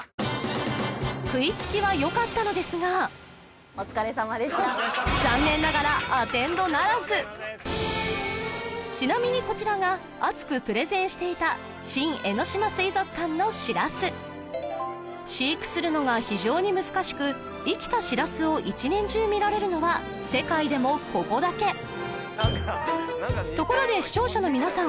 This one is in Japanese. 食いつきはよかったのですがお疲れさまでした残念ながらアテンドならずちなみにこちらが熱くプレゼンしていた飼育するのが非常に難しく生きたシラスを一年中見られるのは世界でもここだけところで視聴者の皆さん